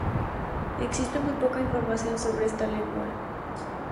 Existe muy poca información sobre esta lengua.